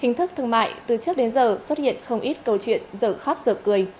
hình thức thương mại từ trước đến giờ xuất hiện không ít câu chuyện dở khóc dở cười